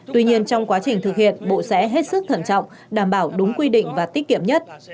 tuy nhiên trong quá trình thực hiện bộ sẽ hết sức thận trọng đảm bảo đúng quy định và tiết kiệm nhất